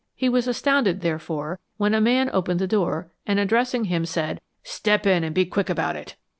He was astounded, therefore, when a man opened the door, and addressing him, said, "Step in and be quick about it!"